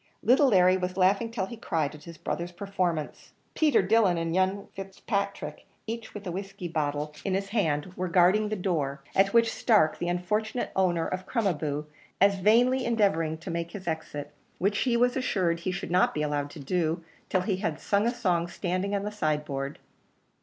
Little Larry was laughing till he cried at his brother's performance. Peter Dillon and young Fitzpatrick, each with a whiskey bottle in his hand, were guarding the door, at which Stark, the unfortunate owner of Crom a boo, was vainly endeavouring to make his exit, which he was assured he should not be allowed to do till he had sung a song standing on the sideboard.